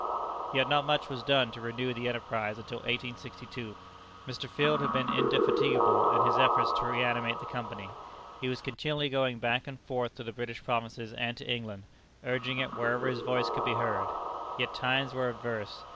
Yet not much was done to renew the enterprise until 1862. Mr. Field had been indefatigable in his efforts to reanimate the Company. He was continually going back and forth to the British Provinces and to England, urging it wherever his voice could be heard. Yet times were adverse.